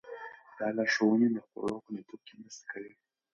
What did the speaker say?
دا لارښوونې د خوړو خوندیتوب کې مرسته کوي.